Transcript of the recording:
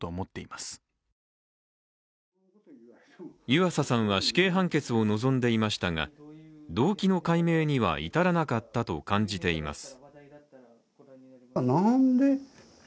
湯浅さんは死刑判決を望んでいましたが、動機の解明には至らなかったと感じています。